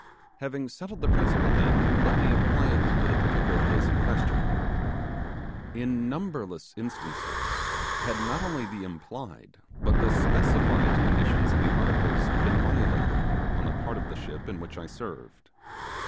Having settled the principle, then, let me apply it to the particular case in question. In numberless instances had not only the implied but the specified conditions of the articles been violated on the part of the ship in which I served.